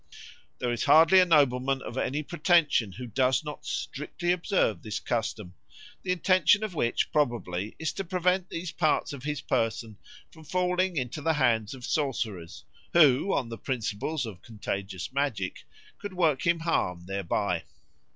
_ There is scarcely a nobleman of any pretensions who does not strictly observe this custom, the intention of which probably is to prevent these parts of his person from falling into the hands of sorcerers, who on the principles of contagious magic could work him harm thereby.